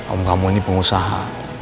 om kamu ini pengusaha